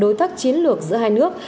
đối tác chiến lược giữa hai nước